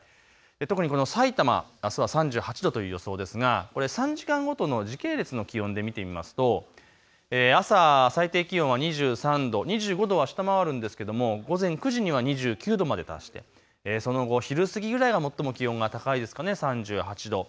特にさいたま、あすは３８度という予想ですがこれ３時間ごとの時系列の気温で見てみますと朝、最低気温は２３度、２５度は下回るんですけれども午前９時には２９度まで達してその後、昼過ぎぐらいが最も気温が高いですかね、３８度。